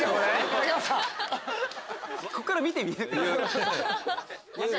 「こっから見てみな」って。